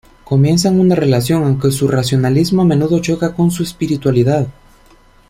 Comienzan una relación, aunque su racionalismo a menudo choca con su espiritualidad.